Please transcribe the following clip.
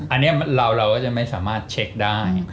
อันนี้เราก็จะไม่สามารถเช็คได้